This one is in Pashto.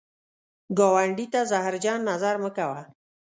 ګاونډي ته زهرجن نظر مه کوه